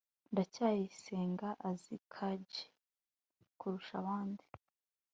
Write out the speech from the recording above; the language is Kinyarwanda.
ndacyayisenga azi jaki kurusha abandi